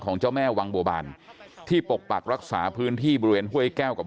เจ้าแม่วังบัวบานที่ปกปักรักษาพื้นที่บริเวณห้วยแก้วกับ